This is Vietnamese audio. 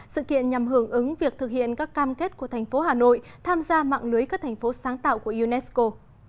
sự kiện nhằm hưởng ứng việc thực hiện các cam kết của thành phố hà nội tham gia mạng lưới các thành phố sáng tạo của unesco